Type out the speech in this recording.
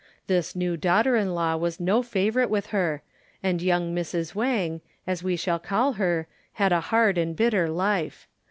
The new daughter in law was no favorite with her, and young Mrs. Wang, as we shall call her, had a hard and bitter life.